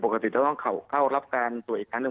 มันต้องเข้าลับการตัวอีกครั้งนึง